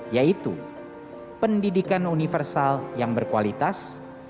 yaitu pendidikan universal yang berkualitas